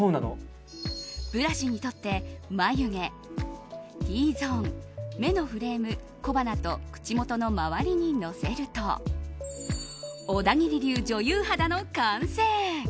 ブラシにとって眉毛、Ｔゾーン、目のフレーム小鼻と口元の周りにのせると小田切流女優肌の完成。